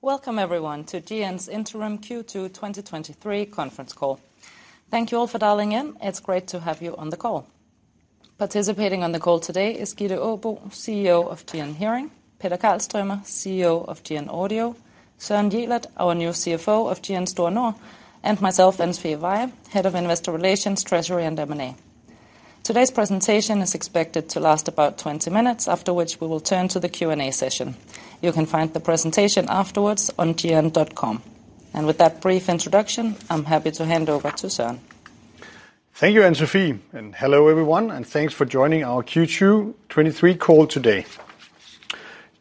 Welcome everyone to GN's interim Q2 2023 conference call. Thank you all for dialing in. It's great to have you on the call. Participating on the call today is Gitte Aabo, CEO of GN Hearing, Peter Karlstromer, CEO of GN Audio, Søren Jelert, our new CFO of GN Store Nord, and myself, Anne-Sophie Veyhe, Head of Investor Relations, Treasury, and M&A. Today's presentation is expected to last about 20 minutes, after which we will turn to the Q&A session. You can find the presentation afterwards on gn.com. With that brief introduction, I'm happy to hand over to Søren. Thank you, Anne-Sophie. Hello everyone, thanks for joining our Q2 2023 call today.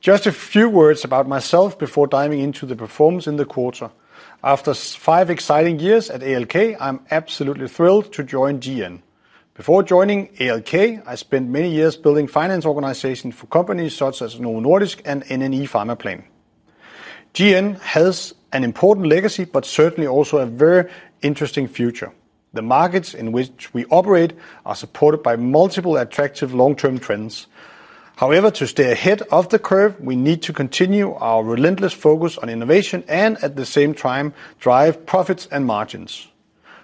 Just a few words about myself before diving into the performance in the quarter. After five exciting years at ALK, I'm absolutely thrilled to join GN. Before joining ALK, I spent many years building finance organizations for companies such as Novo Nordisk and NNE Pharmaplan. GN has an important legacy, certainly also a very interesting future. The markets in which we operate are supported by multiple attractive long-term trends. However, to stay ahead of the curve, we need to continue our relentless focus on innovation, at the same time, drive profits and margins.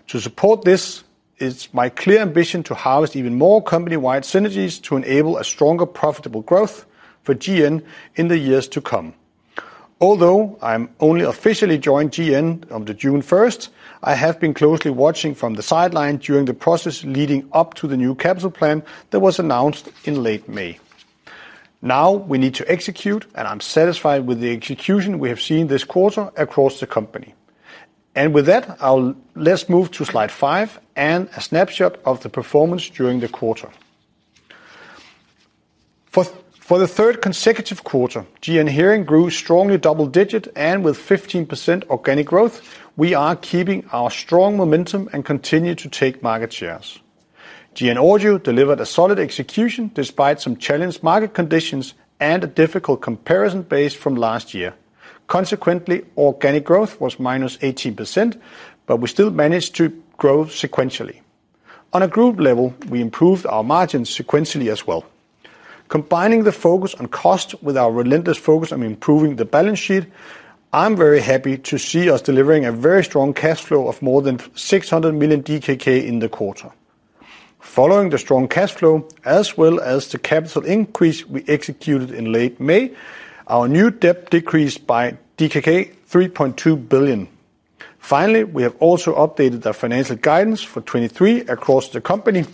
To support this, it's my clear ambition to harvest even more company-wide synergies to enable a stronger, profitable growth for GN in the years to come. Although I'm only officially joined GN on the June 1st, I have been closely watching from the sideline during the process leading up to the new capital plan that was announced in late May. Now we need to execute, and I'm satisfied with the execution we have seen this quarter across the company. With that, let's move to slide 5 and a snapshot of the performance during the quarter. For the third consecutive quarter, GN Hearing grew strongly double-digit, and with 15% organic growth, we are keeping our strong momentum and continue to take market shares. GN Audio delivered a solid execution despite some challenged market conditions and a difficult comparison base from last year. Consequently, organic growth was -18%, but we still managed to grow sequentially. On a group level, we improved our margins sequentially as well. Combining the focus on cost with our relentless focus on improving the balance sheet, I'm very happy to see us delivering a very strong cash flow of more than 600 million DKK in the quarter. Following the strong cash flow, as well as the capital increase we executed in late May, our new debt decreased by DKK 3.2 billion. We have also updated the financial guidance for 2023 across the company.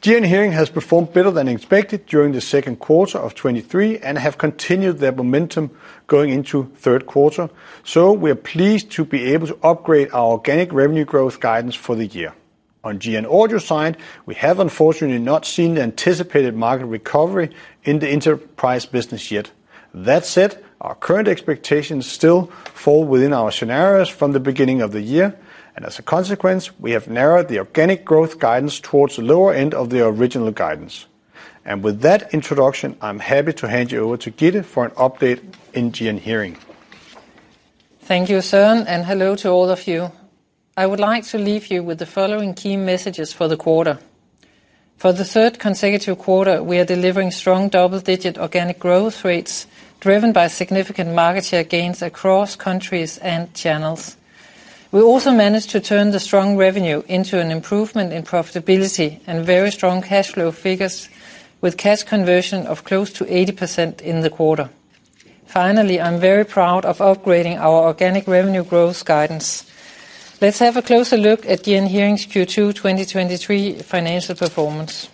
GN Hearing has performed better than expected during the second quarter of 2023 and have continued their momentum going into third quarter, we are pleased to be able to upgrade our organic revenue growth guidance for the year. On GN Audio side, we have unfortunately not seen the anticipated market recovery in the enterprise business yet. That said, our current expectations still fall within our scenarios from the beginning of the year, and as a consequence, we have narrowed the organic growth guidance towards the lower end of the original guidance. With that introduction, I'm happy to hand you over to Gitte for an update in GN Hearing. Thank you, Søren, and hello to all of you. I would like to leave you with the following key messages for the quarter. For the third consecutive quarter, we are delivering strong double-digit organic growth rates, driven by significant market share gains across countries and channels. We also managed to turn the strong revenue into an improvement in profitability and very strong cash flow figures, with cash conversion of close to 80% in the quarter. Finally, I'm very proud of upgrading our organic revenue growth guidance. Let's have a closer look at GN Hearing's Q2 2023 financial performance.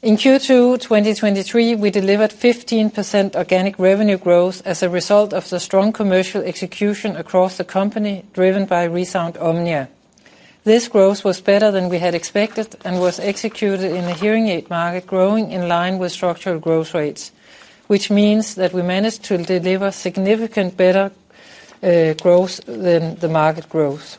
In Q2 2023, we delivered 15% organic revenue growth as a result of the strong commercial execution across the company, driven by ReSound OMNIA. This growth was better than we had expected and was executed in a hearing aid market growing in line with structural growth rates, which means that we managed to deliver significant better growth than the market growth.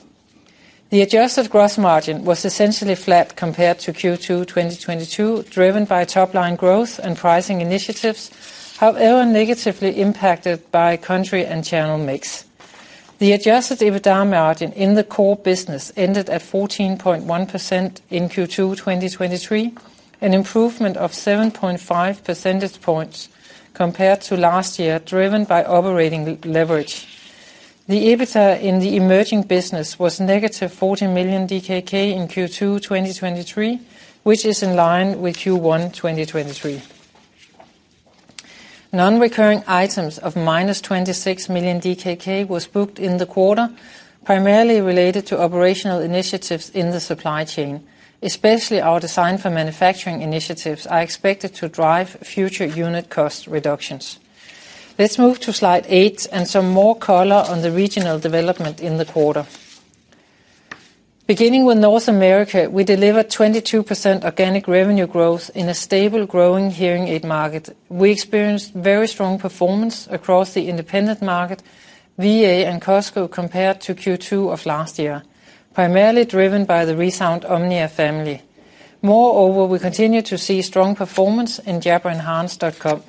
The adjusted gross margin was essentially flat compared to Q2 2022, driven by top-line growth and pricing initiatives, however, negatively impacted by country and channel mix. The adjusted EBITDA margin in the core business ended at 14.1% in Q2 2023, an improvement of 7.5 percentage points compared to last year, driven by operating leverage. The EBITA in the emerging business was negative 40 million DKK in Q2 2023, which is in line with Q1 2023. Non-recurring items of minus 26 million DKK was booked in the quarter, primarily related to operational initiatives in the supply chain. Especially our Design for Manufacturing initiatives are expected to drive future unit cost reductions. Let's move to slide 8 and some more color on the regional development in the quarter. Beginning with North America, we delivered 22% organic revenue growth in a stable, growing hearing aid market. We experienced very strong performance across the independent market, VA and Costco, compared to Q2 of last year, primarily driven by the ReSound OMNIA family. Moreover, we continue to see strong performance in Jabra Enhance.com.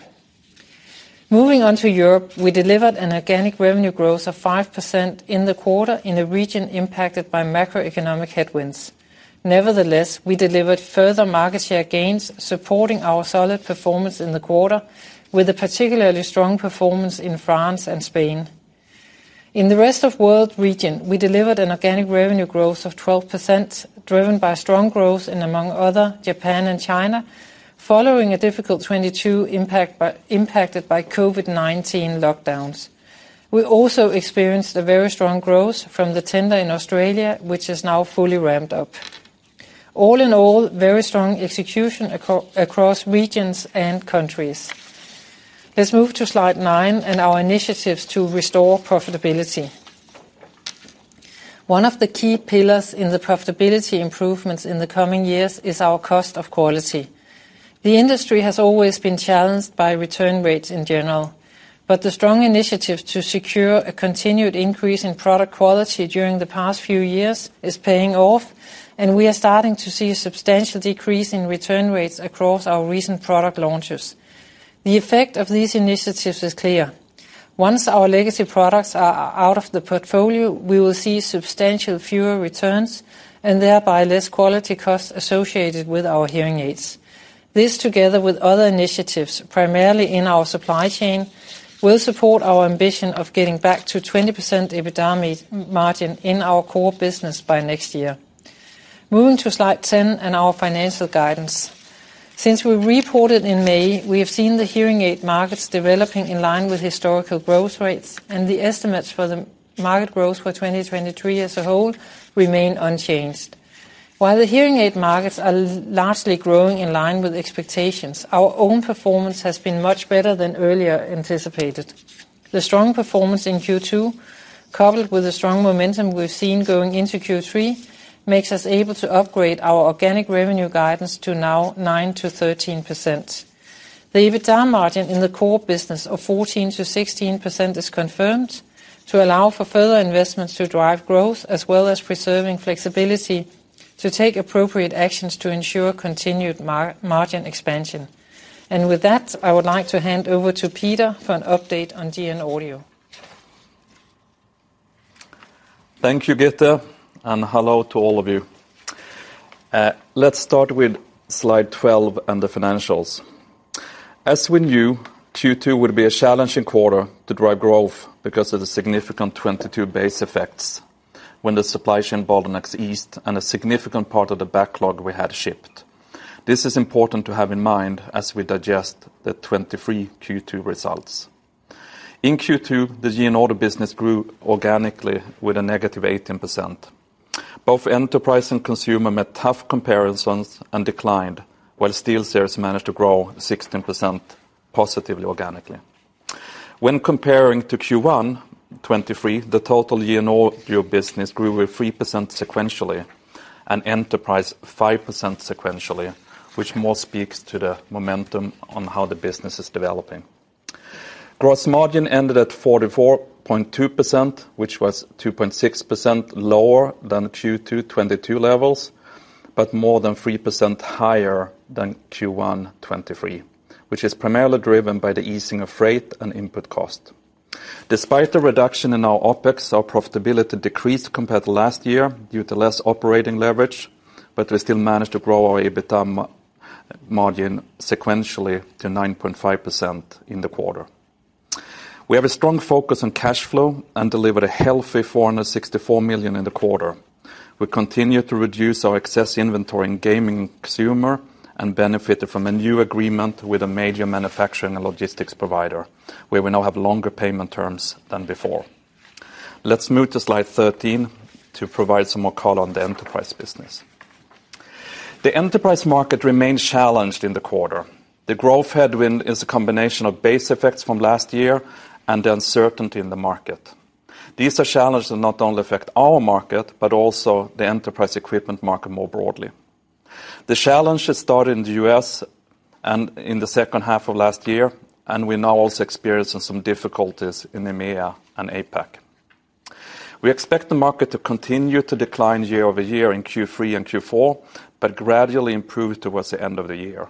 Moving on to Europe, we delivered an organic revenue growth of 5% in the quarter in a region impacted by macroeconomic headwinds. Nevertheless, we delivered further market share gains, supporting our solid performance in the quarter, with a particularly strong performance in France and Spain. In the Rest of World region, we delivered an organic revenue growth of 12%, driven by strong growth in, among other, Japan and China, following a difficult 2022 impacted by COVID-19 lockdowns. We also experienced a very strong growth from the tender in Australia, which is now fully ramped up. All in all, very strong execution across regions and countries. Let's move to slide 9 and our initiatives to restore profitability. One of the key pillars in the profitability improvements in the coming years is our cost of quality. The industry has always been challenged by return rates in general, but the strong initiatives to secure a continued increase in product quality during the past few years is paying off, and we are starting to see a substantial decrease in return rates across our recent product launches. The effect of these initiatives is clear. Once our legacy products are out of the portfolio, we will see substantial fewer returns and thereby less quality costs associated with our hearing aids. This, together with other initiatives, primarily in our supply chain, will support our ambition of getting back to 20% EBITDA margin in our core business by next year. Moving to slide 10 and our financial guidance. Since we reported in May, we have seen the hearing aid markets developing in line with historical growth rates, and the estimates for the market growth for 2023 as a whole remain unchanged. While the hearing aid markets are largely growing in line with expectations, our own performance has been much better than earlier anticipated. The strong performance in Q2, coupled with the strong momentum we've seen going into Q3, makes us able to upgrade our organic revenue guidance to now 9%-13%. The EBITDA margin in the core business of 14%-16% is confirmed to allow for further investments to drive growth, as well as preserving flexibility to take appropriate actions to ensure continued margin expansion. With that, I would like to hand over to Peter for an update on GN Audio. Thank you, Gitte, and hello to all of you. Let's start with slide 12 and the financials. As we knew, Q2 would be a challenging quarter to drive growth because of the significant 2022 base effects when the supply chain bottlenecks eased and a significant part of the backlog we had shipped. This is important to have in mind as we digest the 2023 Q2 results. In Q2, the GN Audio business grew organically with a -18%. Both enterprise and consumer met tough comparisons and declined, while SteelSeries managed to grow 16% positively organically. When comparing to Q1 2023, the total GN Audio business grew with 3% sequentially, and enterprise, 5% sequentially, which more speaks to the momentum on how the business is developing. Gross margin ended at 44.2%, which was 2.6% lower than Q2 2022 levels, but more than 3% higher than Q1 2023, which is primarily driven by the easing of freight and input cost. Despite the reduction in our OpEx, our profitability decreased compared to last year due to less operating leverage, but we still managed to grow our EBITDA margin sequentially to 9.5% in the quarter. We have a strong focus on cash flow and delivered a healthy 464 million in the quarter. We continue to reduce our excess inventory in gaming consumer and benefited from a new agreement with a major manufacturing and logistics provider, where we now have longer payment terms than before. Let's move to slide 13 to provide some more color on the enterprise business. The enterprise market remains challenged in the quarter. The growth headwind is a combination of base effects from last year and the uncertainty in the market. These are challenges that not only affect our market, but also the enterprise equipment market more broadly. The challenge has started in the U.S. and in the second half of last year, and we're now also experiencing some difficulties in EMEA and APAC. We expect the market to continue to decline year-over-year in Q3 and Q4, but gradually improve towards the end of the year.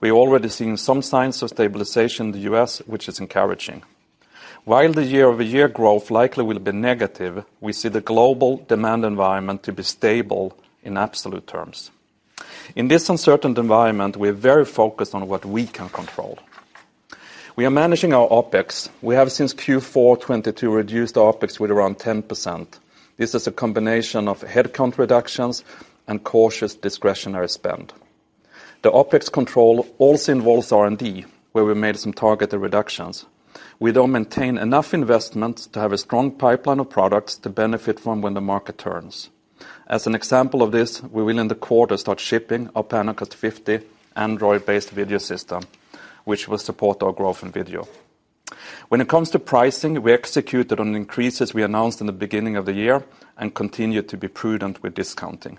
We've already seen some signs of stabilization in the U.S., which is encouraging. While the year-over-year growth likely will be negative, we see the global demand environment to be stable in absolute terms. In this uncertain environment, we are very focused on what we can control. We are managing our OpEx. We have, since Q4 2022, reduced OpEx with around 10%. This is a combination of headcount reductions and cautious discretionary spend. The OpEx control also involves R&D, where we made some targeted reductions. We don't maintain enough investments to have a strong pipeline of products to benefit from when the market turns. As an example of this, we will, in the quarter, start shipping our PanaCast 50 Android-based video system, which will support our growth in video. When it comes to pricing, we executed on increases we announced in the beginning of the year and continued to be prudent with discounting.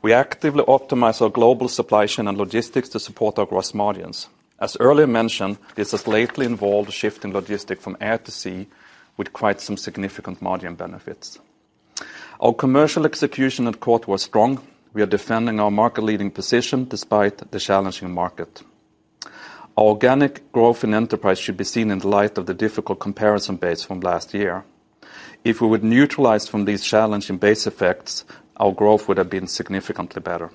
We actively optimize our global supply chain and logistic to support our gross margins. As earlier mentioned, this has lately involved a shift in logistic from air to sea, with quite some significant margin benefits. Our commercial execution at court was strong. We are defending our market-leading position despite the challenging market. Our organic growth and enterprise should be seen in the light of the difficult comparison base from last year. If we would neutralize from these challenging base effects, our growth would have been significantly better.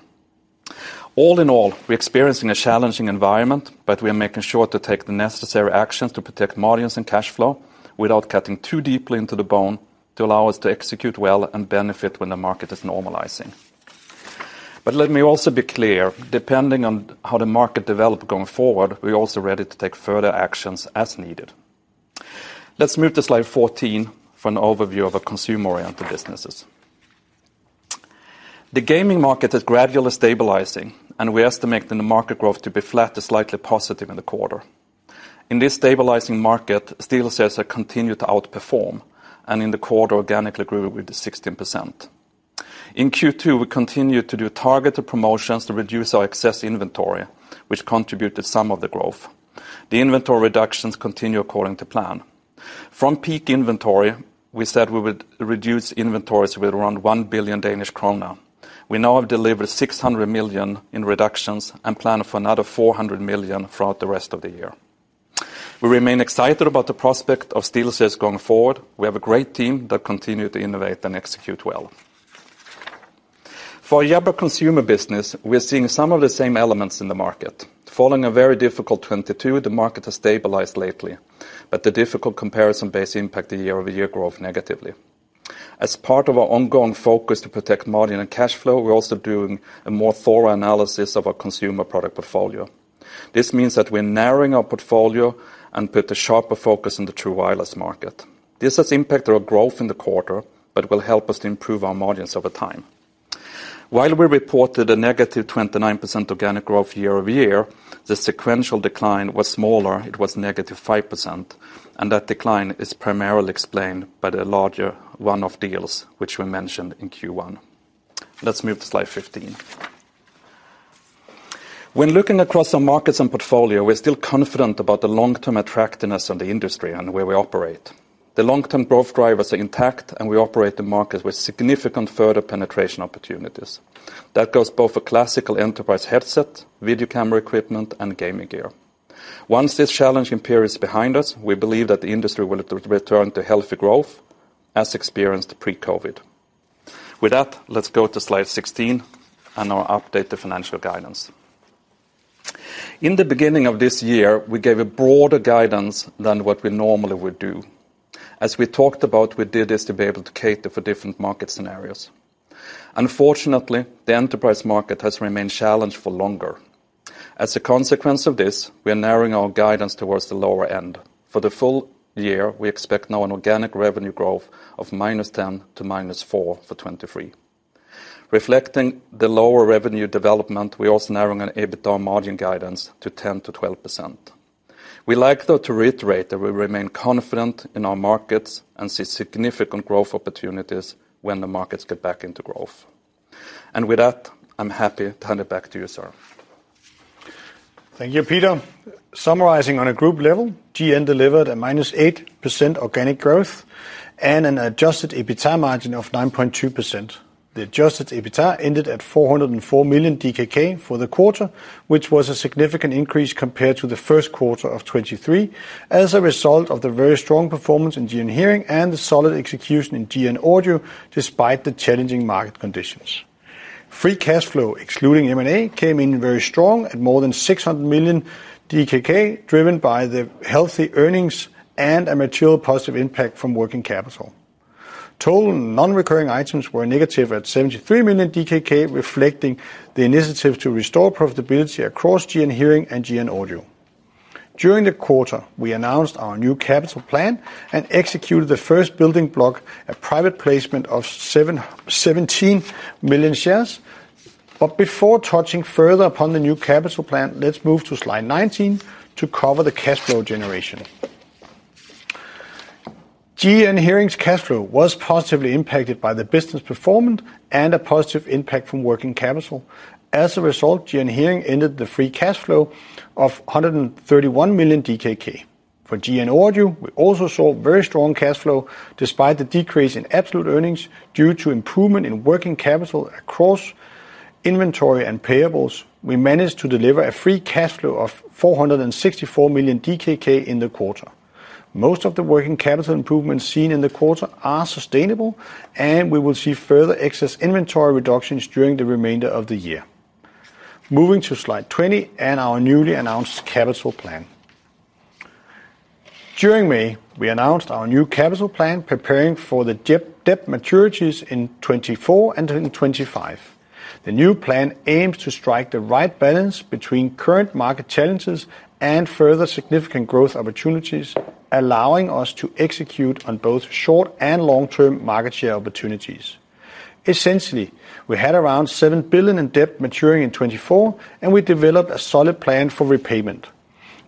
All in all, we're experiencing a challenging environment, but we are making sure to take the necessary actions to protect margins and cash flow without cutting too deeply into the bone to allow us to execute well and benefit when the market is normalizing. Let me also be clear, depending on how the market develop going forward, we're also ready to take further actions as needed. Let's move to slide 14 for an overview of our consumer-oriented businesses. The gaming market is gradually stabilizing, and we estimate the market growth to be flat to slightly positive in the quarter. In this stabilizing market, SteelSeries have continued to outperform, and in the quarter, organically grew with 16%. In Q2, we continued to do targeted promotions to reduce our excess inventory, which contributed some of the growth. The inventory reductions continue according to plan. From peak inventory, we said we would reduce inventories with around 1 billion Danish krone. We now have delivered 600 million in reductions and plan for another 400 million throughout the rest of the year. We remain excited about the prospect of SteelSeries going forward. We have a great team that continue to innovate and execute well. For Jabra Consumer business, we're seeing some of the same elements in the market. Following a very difficult 2022, the market has stabilized lately, but the difficult comparison base impact the year-over-year growth negatively. As part of our ongoing focus to protect margin and cash flow, we're also doing a more thorough analysis of our consumer product portfolio. This means that we're narrowing our portfolio and put a sharper focus on the True Wireless market. This has impacted our growth in the quarter but will help us to improve our margins over time. While we reported a -29% organic growth year-over-year, the sequential decline was smaller. It was -5%, and that decline is primarily explained by the larger one-off deals, which we mentioned in Q1. Let's move to slide 15. When looking across our markets and portfolio, we're still confident about the long-term attractiveness of the industry and where we operate. The long-term growth drivers are intact; we operate the market with significant further penetration opportunities. That goes both for classical enterprise headset, video camera equipment, and gaming gear. Once this challenging period is behind us, we believe that the industry will return to healthy growth as experienced pre-COVID. With that, let's go to slide 16 and our updated financial guidance. In the beginning of this year, we gave a broader guidance than what we normally would do. As we talked about, we did this to be able to cater for different market scenarios. Unfortunately, the enterprise market has remained challenged for longer. As a consequence of this, we are narrowing our guidance towards the lower end. For the full year, we expect now an organic revenue growth of -10% to -4% for 2023. Reflecting the lower revenue development, we are also narrowing our EBITDA margin guidance to 10%-12%. We like, though, to reiterate that we remain confident in our markets and see significant growth opportunities when the markets get back into growth. With that, I'm happy to hand it back to you, Søren. Thank you, Peter. Summarizing on a group level, GN delivered a -8% organic growth and an adjusted EBITDA margin of 9.2%. The adjusted EBITDA ended at 404 million DKK for the quarter, which was a significant increase compared to the first quarter of 2023, as a result of the very strong performance in GN Hearing and the solid execution in GN Audio, despite the challenging market conditions. Free cash flow, excluding M&A, came in very strong at more than 600 million DKK, driven by the healthy earnings and a material positive impact from working capital. Total non-recurring items were negative at 73 million DKK, reflecting the initiative to restore profitability across GN Hearing and GN Audio. During the quarter, we announced our new capital plan and executed the first building block, a private placement of 17 million shares. Before touching further upon the new capital plan, let's move to slide 19 to cover the cash flow generation. GN Hearing's cash flow was positively impacted by the business performance and a positive impact from working capital. As a result, GN Hearing ended the free cash flow of 131 million DKK. For GN Audio, we also saw very strong cash flow despite the decrease in absolute earnings due to improvement in working capital across inventory and payables. We managed to deliver a free cash flow of 464 million DKK in the quarter. Most of the working capital improvements seen in the quarter are sustainable, and we will see further excess inventory reductions during the remainder of the year. Moving to slide 20 and our newly announced capital plan. During May, we announced our new capital plan, preparing for the debt maturities in 2024 and in 2025. The new plan aims to strike the right balance between current market challenges and further significant growth opportunities, allowing us to execute on both short- and long-term market share opportunities. Essentially, we had around 7 billion in debt maturing in 2024, and we developed a solid plan for repayment.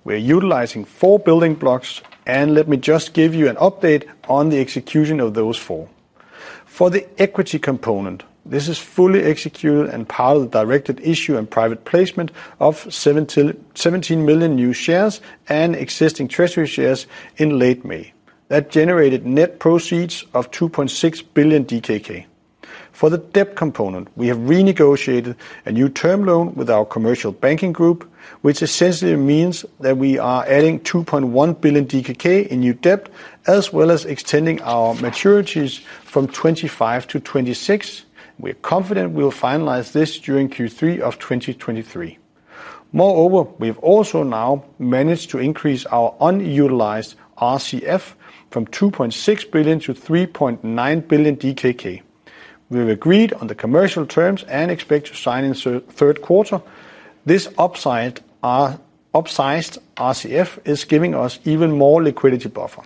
We are utilizing four building blocks and let me just give you an update on the execution of those four. For the equity component, this is fully executed and part of the directed issue and private placement of 17 million new shares and existing treasury shares in late May. That generated net proceeds of 2.6 billion DKK. For the debt component, we have renegotiated a new term loan with our commercial banking group, which essentially means that we are adding 2.1 billion DKK in new debt, as well as extending our maturities from 2025 to 2026. We're confident we will finalize this during Q3 of 2023. Moreover, we've also now managed to increase our unutilized RCF from 2.6 billion to 3.9 billion DKK. We've agreed on the commercial terms and expect to sign in third quarter. This upsized RCF is giving us even more liquidity buffer.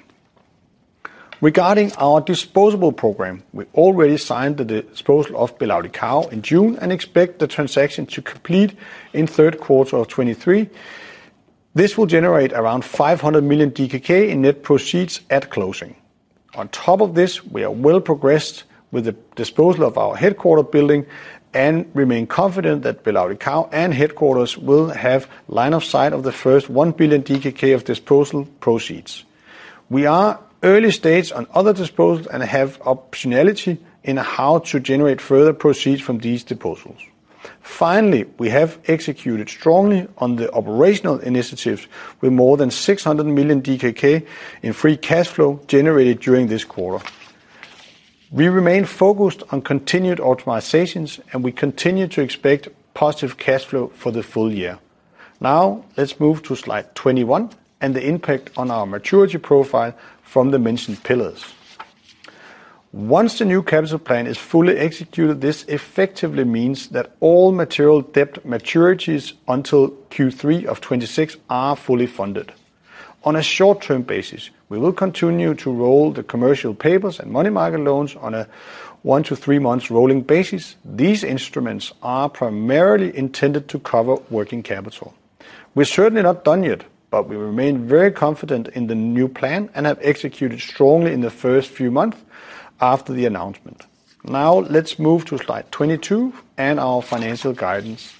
Regarding our disposable program, we've already signed the disposal of BelAudição in June and expect the transaction to complete in third quarter of 2023. This will generate around 500 million DKK in net proceeds at closing. On top of this, we are well progressed with the disposal of our headquarter building and remain confident that BelAudição and headquarters will have line of sight of the first 1 billion DKK of disposal proceeds. We are early stage on other disposals and have optionality in how to generate further proceeds from these disposals. Finally, we have executed strongly on the operational initiatives with more than 600 million DKK in free cash flow generated during this quarter. We remain focused on continued optimizations, and we continue to expect positive cash flow for the full year. Let's move to slide 21, and the impact on our maturity profile from the mentioned pillars. Once the new capital plan is fully executed, this effectively means that all material debt maturities until Q3 of 2026 are fully funded. On a short-term basis, we will continue to roll the commercial papers and money market loans on a one to three months rolling basis. These instruments are primarily intended to cover working capital. We're certainly not done yet, but we remain very confident in the new plan and have executed strongly in the first few months after the announcement. Let's move to slide 22 and our financial guidance.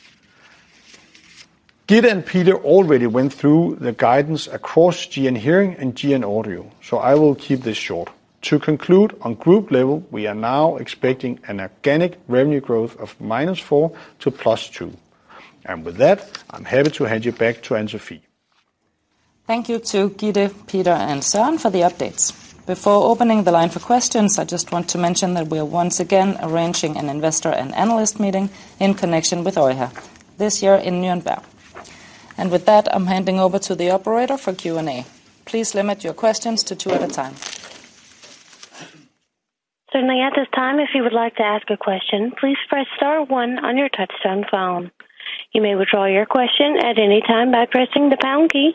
Gitte and Peter already went through the guidance across GN Hearing and GN Audio, so I will keep this short. To conclude, on group level, we are now expecting an organic revenue growth of -4% to +2%. With that, I'm happy to hand you back to Anne-Sophie. Thank you to Gitte, Peter, and Søren for the updates. Before opening the line for questions, I just want to mention that we are once again arranging an investor and analyst meeting in connection with EUHA, this year in Nuremberg. With that, I'm handing over to the operator for Q&A. Please limit your questions to two at a time. Certainly, at this time, if you would like to ask a question, please press star one on your touchtone phone. You may withdraw your question at any time by pressing the pound key.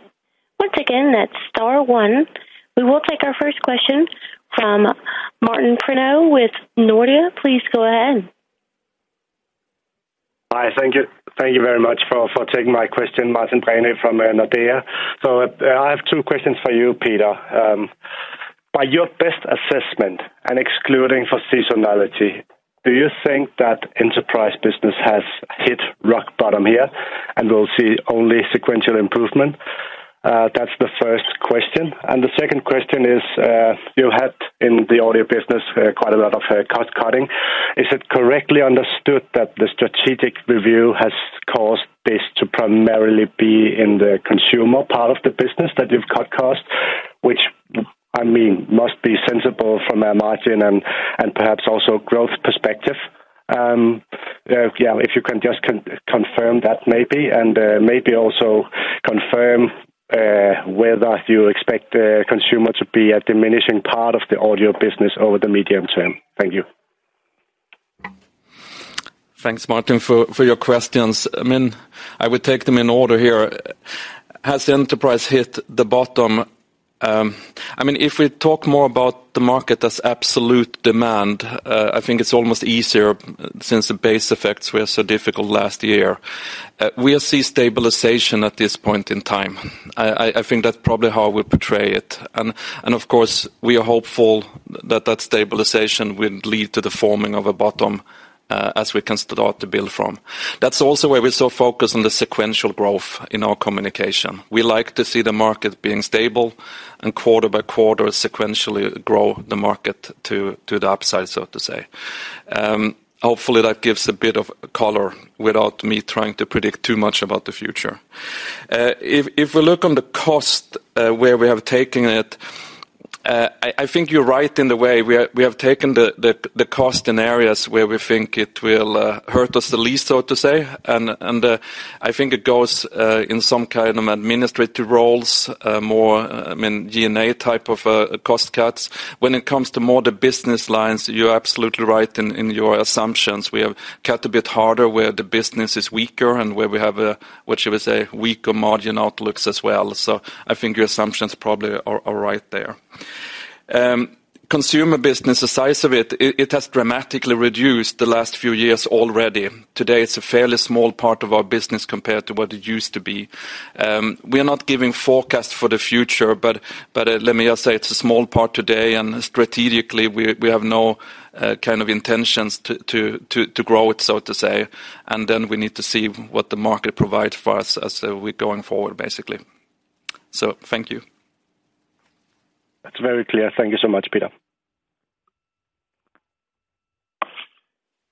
Once again, that's star one. We will take our first question from Martin Brenøe with Nordea. Please go ahead. Hi, thank you. Thank you very much for taking my question, Martin Brenøe from Nordea. I have two questions for you, Peter. By your best assessment and excluding for seasonality, do you think that enterprise business has hit rock bottom here and we'll see only sequential improvement? That's the first question. The second question is, you had in the audio business quite a lot of cost cutting. Is it correctly understood that the strategic review has caused this to primarily be in the consumer part of the business that you've cut costs, which, I mean, must be sensible from a margin and perhaps also growth perspective? Yeah, if you can just confirm that maybe, and maybe also confirm whether you expect the consumer to be a diminishing part of the audio business over the medium term. Thank you. Thanks, Martin for your questions. I mean, I would take them in order here. Has the enterprise hit the bottom? I mean, if we talk more about the market as absolute demand, I think it's almost easier, since the base effects were so difficult last year. We see stabilization at this point in time. I think that's probably how I would portray it. Of course, we are hopeful that that stabilization will lead to the forming of a bottom, as we can start to build from. That's also why we're so focused on the sequential growth in our communication. We like to see the market being stable and quarter by quarter sequentially grow the market to, to the upside, so to say. Hopefully, that gives a bit of color without me trying to predict too much about the future. If we look on the cost where we have taken it, you're right in the way we have taken the cost in areas where we think it will hurt us the least, so to say, I think it goes in some kind of administrative roles, I mean, G&A type of cost cuts. When it comes to more the business lines, you're absolutely right in your assumptions. We have cut a bit harder where the business is weaker and where we have a, what you would say, weaker margin outlooks as well. I think your assumptions probably are right there. Consumer business, the size of it, has dramatically reduced the last few years already. Today, it's a fairly small part of our business compared to what it used to be. We are not giving forecast for the future but, let me just say it's a small part today, and strategically, we have no, kind of intentions to grow it, so to say, and then we need to see what the market provides for us as we're going forward, basically. Thank you. That's very clear. Thank you so much, Peter.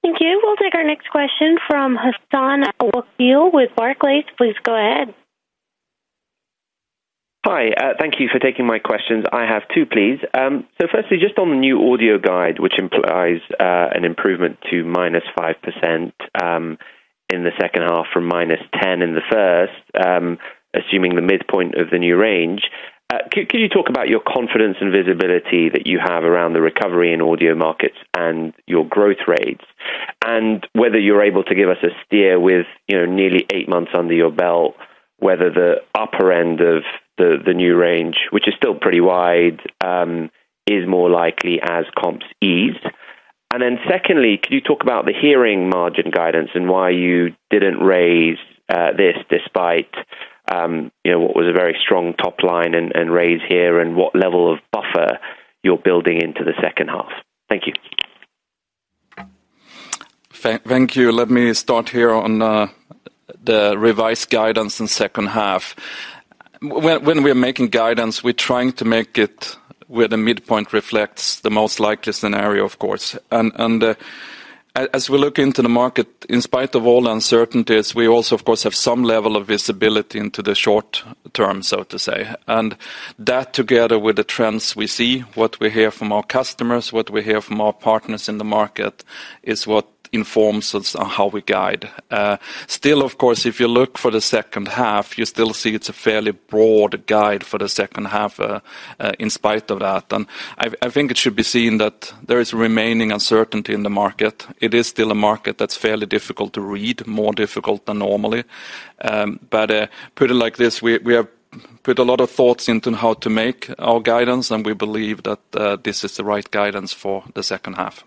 Thank you. We'll take our next question from Hassan Al-Wakeel with Barclays. Please go ahead. Thank you for taking my questions. I have two, please. Firstly, just on the new audio guide, which implies an improvement to -5% in the second half from -10% in the first, assuming the midpoint of the new range. Could you talk about your confidence and visibility that you have around the recovery in audio markets and your growth rates? Whether you're able to give us a steer with, you know, nearly eight months under your belt, whether the upper end of the new range, which is still pretty wide, is more likely as comps ease. Then secondly, could you talk about the hearing margin guidance and why you didn't raise this despite, you know, what was a very strong top line and, and raise here, and what level of buffer you're building into the second half? Thank you. Thank you. Let me start here on, the revised guidance in second half. When, when we're making guidance, we're trying to make it where the midpoint reflects the most likely scenario, of course. As we look into the market, in spite of all uncertainties, we also, of course, have some level of visibility into the short term, so to say. That, together with the trends we see, what we hear from our customers, what we hear from our partners in the market, is what informs us on how we guide. Still, of course, if you look for the second half, you still see it's a fairly broad guide for the second half, in spite of that. I think it should be seen that there is remaining uncertainty in the market. It is still a market that's fairly difficult to read, more difficult than normally. But, put it like this we have put a lot of thoughts into how to make our guidance, and we believe that, this is the right guidance for the second half.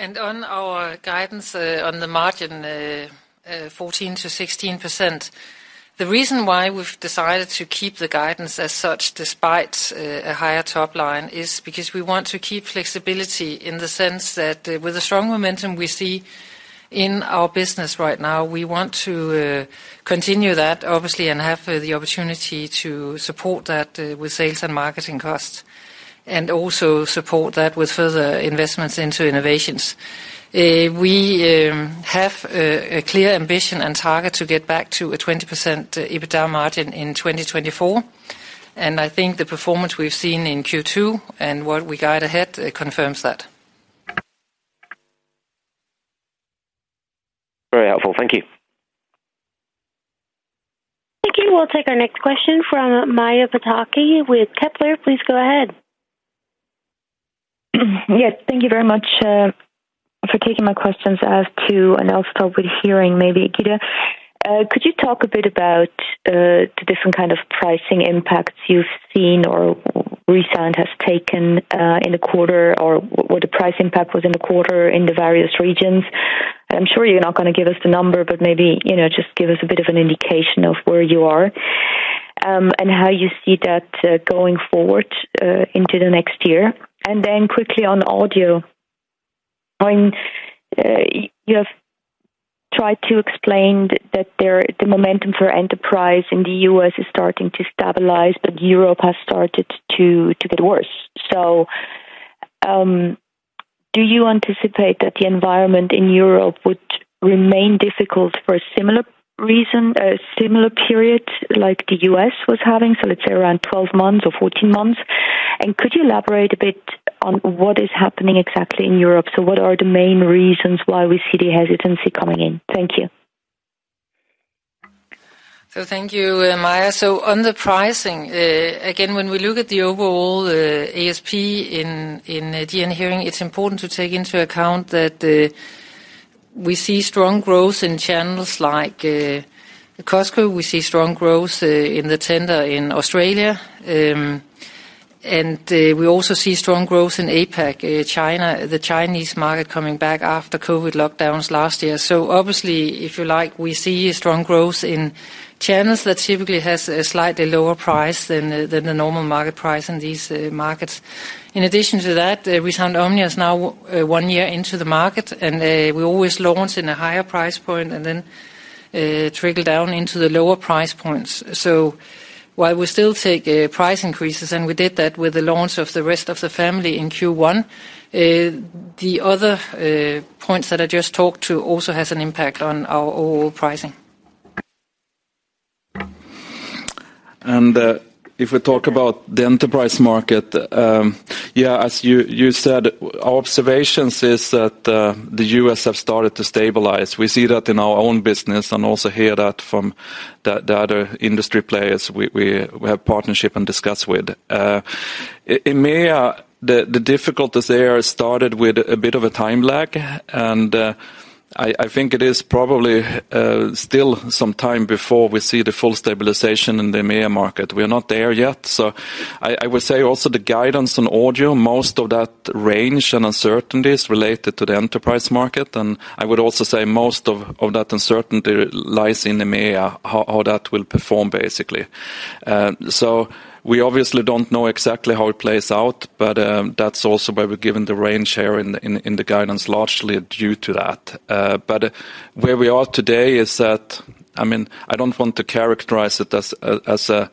On our guidance, on the margin, 14%-16%, the reason why we've decided to keep the guidance as such, despite a higher top line, is because we want to keep flexibility in the sense that, with the strong momentum we see in our business right now, we want to continue that, obviously, and have the opportunity to support that with sales and marketing costs, and also support that with further investments into innovations. We have a clear ambition and target to get back to a 20% EBITDA margin in 2024, and I think the performance we've seen in Q2 and what we guide ahead, it confirms that. Very helpful. Thank you. Thank you. We'll take our next question from Maja Pataki with Kepler. Please go ahead. Yes, thank you very much, for taking my questions as to, I'll start with hearing maybe, Gitte. Could you talk a bit about, the different kind of pricing impacts you've seen or ReSound has taken, in the quarter, or what the price impact was in the quarter in the various regions? I'm sure you're not gonna give us the number, but maybe, you know, just give us a bit of an indication of where you are, and how you see that, going forward, into the next year. Quickly on audio, I mean, you have tried to explain that there, the momentum for enterprise in the U.S. is starting to stabilize, Europe has started to get worse. Do you anticipate that the environment in Europe would remain difficult for a similar reason, a similar period, like the U.S. was having, so let's say around 12 months or 14 months? Could you elaborate a bit on what is happening exactly in Europe? What are the main reasons why we see the hesitancy coming in? Thank you. Thank you, Maja. On the pricing, again, when we look at the overall ASP in the hearing, it's important to take into account that we see strong growth in channels like Costco. We see strong growth in the tender in Australia. We also see strong growth in APAC, China, the Chinese market coming back after COVID lockdowns last year. Obviously, if you like, we see a strong growth in channels that typically has a slightly lower price than the normal market price in these markets. In addition to that, ReSound OMNIA is now one year into the market, and we always launch in a higher price point and then trickle down into the lower price points. While we still take price increases, and we did that with the launch of the rest of the family in Q1, the other points that I just talked to also has an impact on our overall pricing. If we talk about the enterprise market, yeah, as you said, our observations is that the U.S. have started to stabilize. We see that in our own business and also hear that from the other industry players we have partnership and discuss with. In MEA, the difficulties there started with a bit of a time lag, I think it is probably still some time before we see the full stabilization in the MEA market. We are not there yet. I would say also the guidance on audio, most of that range and uncertainties related to the enterprise market. I would also say most of that uncertainty lies in the MEA, how that will perform, basically. We obviously don't know exactly how it plays out, but that's also why we're given the range here in the guidance, largely due to that. Where we are today is that. I mean, I don't want to characterize it as a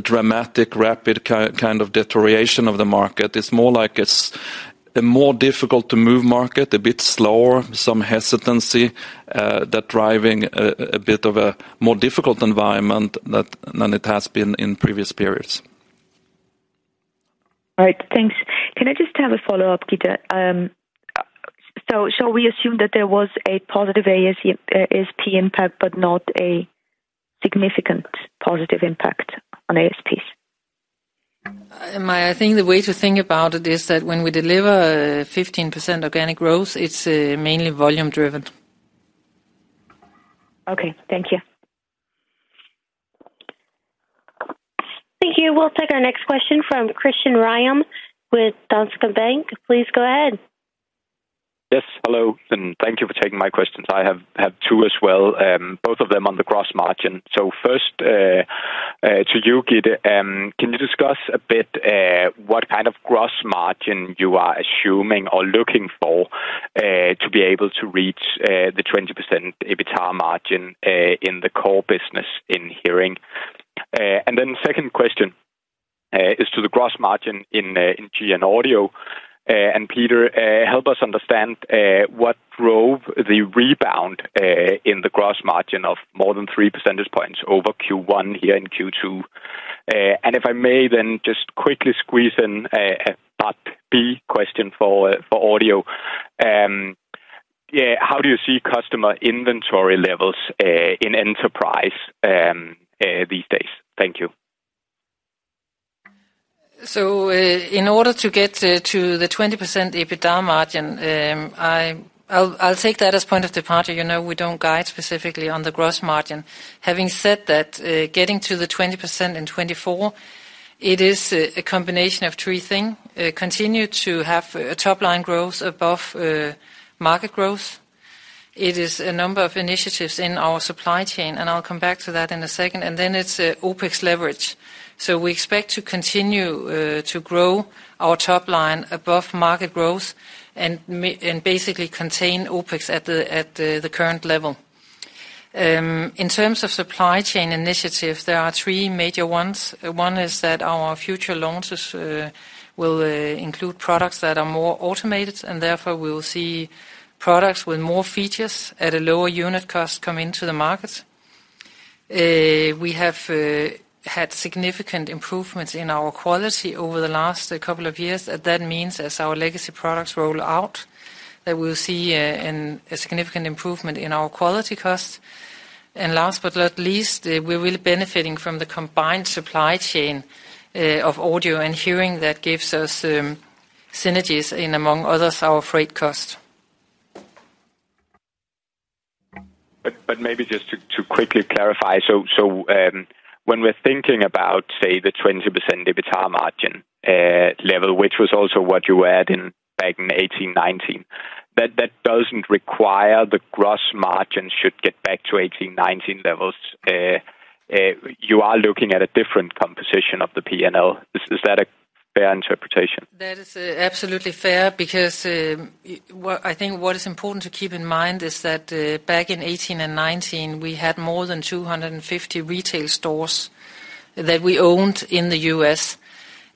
dramatic, rapid kind of deterioration of the market. It's more like it's a more difficult to move market, a bit slower, some hesitancy, that driving a bit of a more difficult environment that, than it has been in previous periods. All right, thanks. Can I just have a follow-up, Gitte? Shall we assume that there was a positive ASP, ASP impact, but not a significant positive impact on ASPs? Maja, I think the way to think about it is that when we deliver 15% organic growth, it's mainly volume driven. Okay, thank you. Thank you. We'll take our next question from Christian Ryom with Danske Bank. Please go ahead. Yes, hello, and thank you for taking my questions. I have two as well, both of them on the gross margin. First, to you, Gitte, can you discuss a bit what kind of gross margin you are assuming or looking for to be able to reach the 20% EBITA margin in the core business in hearing? Then the second question is to the gross margin in GN Audio. Peter, help us understand what drove the rebound in the gross margin of more than 3 percentage points over Q1 here in Q2? If I may, then just quickly squeeze in a part B question for Audio. Yeah, how do you see customer inventory levels in enterprise these days? Thank you. In order to get to, to the 20% EBITA margin, I'll take that as point of departure. You know, we don't guide specifically on the gross margin. Having said that, getting to the 20% in 2024, it is a combination of three thing. Continue to have a top line growth above market growth. It is a number of initiatives in our supply chain, and I'll come back to that in a second. Then it's OpEx leverage. We expect to continue to grow our top line above market growth and basically contain OpEx at the the current level. In terms of supply chain initiatives, there are three major ones. One is that our future launches will include products that are more automated, and therefore, we will see products with more features at a lower unit cost come into the market. We have had significant improvements in our quality over the last couple of years. That means as our legacy products roll out, that we'll see a significant improvement in our quality costs. Last but not least, we're really benefiting from the combined supply chain of Audio and Hearing that gives us synergies in, among others, our freight costs. Maybe just to quickly clarify. When we're thinking about, say, the 20% EBITA margin, level, which was also what you had in back in 2018, 2019, that doesn't require the gross margin should get back to 2018, 2019 levels. You are looking at a different composition of the PNL. Is that a fair interpretation? That is absolutely fair, because what I think what is important to keep in mind is that back in 2018 and 2019, we had more than 250 retail stores that we owned in the U.S.,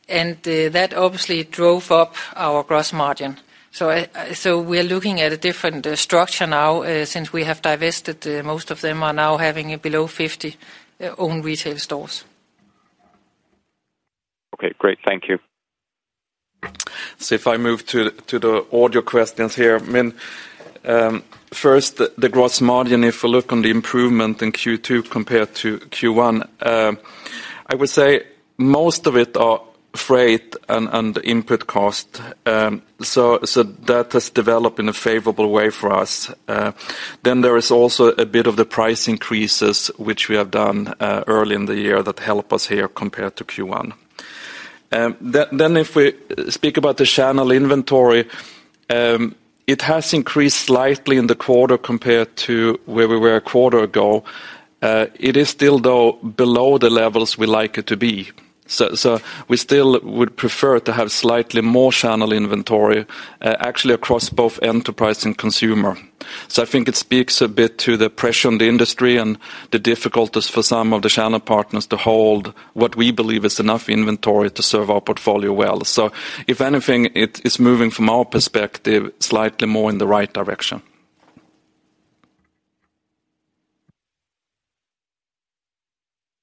and that obviously drove up our gross margin. So we're looking at a different structure now, since we have divested, most of them are now having a below 50 own retail stores. Okay, great. Thank you. If I move to, to the Audio questions here, I mean, first, the gross margin, if we look on the improvement in Q2 compared to Q1, I would say most of it are freight and input cost. That has developed in a favorable way for us. There is also a bit of the price increases, which we have done early in the year that help us here compared to Q1. If we speak about the channel inventory, it has increased slightly in the quarter compared to where we were a quarter ago. It is still, though, below the levels we like it to be. We still would prefer to have slightly more channel inventory, actually across both enterprise and consumer. I think it speaks a bit to the pressure on the industry and the difficulties for some of the channel partners to hold what we believe is enough inventory to serve our portfolio well. If anything, it is moving, from our perspective, slightly more in the right direction.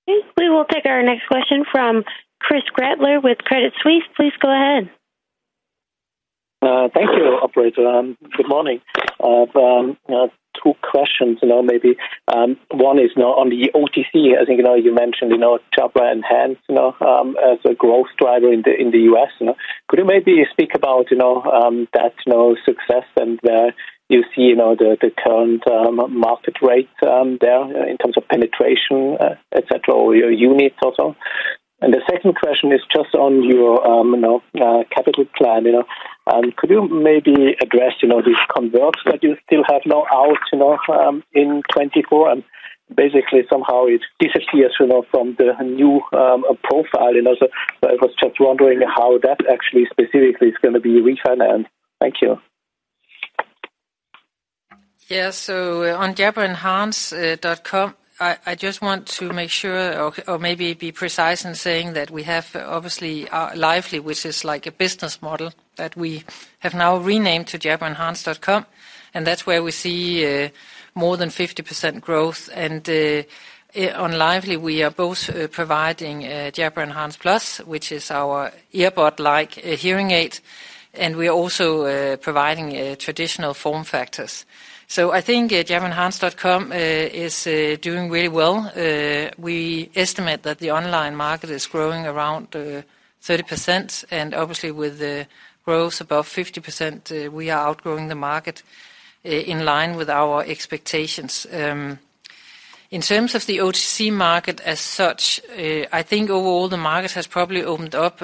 Okay, we will take our next question from Chris Gretler with Credit Suisse. Please go ahead. Thank you, operator. Good morning. Two questions, you know, maybe, one is now on the OTC. I think, you know, you mentioned, you know, Jabra Enhance, you know, as a growth driver in the U.S., you know. Could you maybe speak about, you know, that, you know, success and, you see, you know, the current market rate there, in terms of penetration, et cetera, or your units also? And the second question is just on your, you know, capital plan, you know. Could you maybe address, you know, these converts that you still have now out, you know, in 2024, and basically somehow it disappears, you know, from the new profile, you know? So I was just wondering how that actually specifically is going to be refinanced. Thank you. Yeah, on jabraenhance.com I just want to make sure or, or maybe be precise in saying that we have obviously Lively, which is like a business model that we have now renamed to Jabra Enhance.com, and that's where we see more than 50% growth. On Lively, we are both providing Jabra Enhance Plus, which is our earbud-like hearing aid, and we are also providing traditional form factors. I think jabraenhance.com is doing really well. We estimate that the online market is growing around 30%, and obviously with the growth above 50%, we are outgrowing the market in line with our expectations. In terms of the OTC market as such, I think overall the market has probably opened up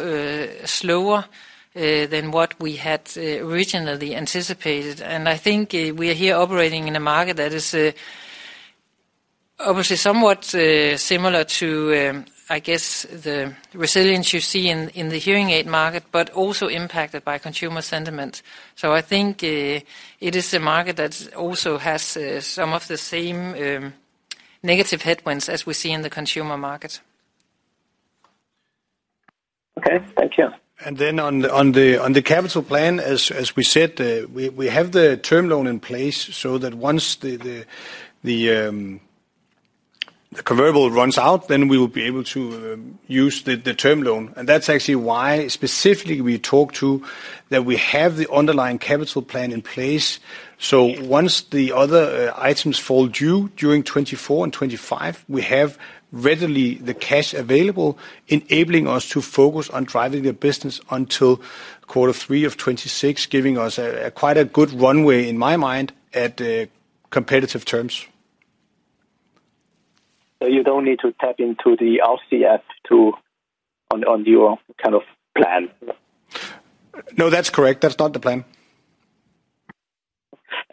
slower than what we had originally anticipated. I think, we are here operating in a market that is obviously somewhat similar to, I guess, the resilience you see in the hearing aid market, but also impacted by consumer sentiment. I think, it is a market that also has some of the same negative headwinds as we see in the consumer market. Okay, thank you. Then on the capital plan, as we said, we have the term loan in place so that once the convertible runs out, then we will be able to use the term loan. That's actually why specifically we talked to, that we have the underlying capital plan in place. Once the other items fall due during 2024 and 2025, we have readily the cash available, enabling us to focus on driving the business until Q3 of 2026, giving us a quite a good runway, in my mind, at competitive terms. You don't need to tap into the RCF to, on your kind of plan? No, that's correct. That's not the plan.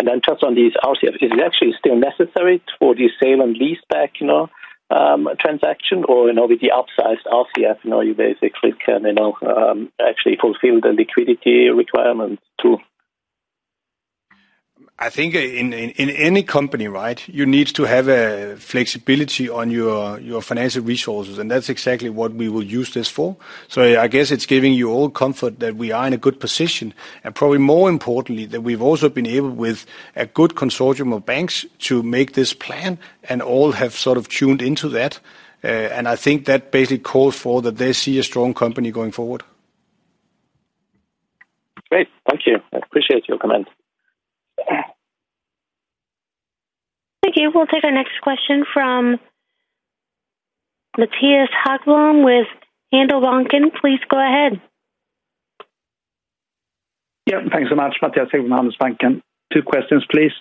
Then just on these RCF, is it actually still necessary for the sale and lease back, you know, transaction, or, you know, with the upsized RCF, now you basically can, you know, actually fulfill the liquidity requirements, too? I think in any company, right, you need to have a flexibility on your financial resources, and that's exactly what we will use this for. I guess it's giving you all comfort that we are in a good position, and probably more importantly, that we've also been able, with a good consortium of banks, to make this plan, and all have sort of tuned into that. I think that basically calls for that they see a strong company going forward. Great. Thank you. I appreciate your comment. Thank you. We'll take our next question from Mattias Häggblom with Handelsbanken. Please go ahead. Yeah, thanks so much, Mattias here with Handelsbanken. Two questions, please.